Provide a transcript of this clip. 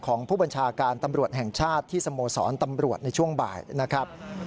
ของผู้บัญชาการตำรวจแห่งชาติที่สโมสรตำรวจในช่วงบ่ายนะครับ